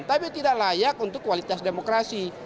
tapi tidak layak untuk kualitas demokrasi